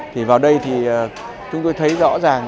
thì vào đây thì chúng tôi thấy rõ ràng